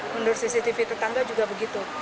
menurut cctv tetangga juga begitu